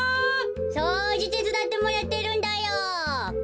そうじてつだってもらってるんだよ。